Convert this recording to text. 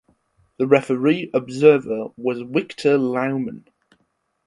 The Referee Observer was Victor Loughman.